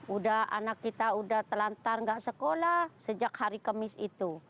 udah anak kita udah telantar nggak sekolah sejak hari kemis itu